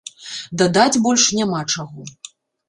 Дадаць больш няма чаго.